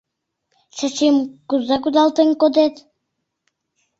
Чачим кузе кудалтен кодет?